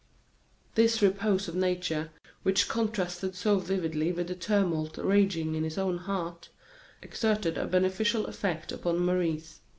This repose of nature, which contrasted so vividly with the tumult raging in his own heart, exerted a beneficial effect upon Maurice.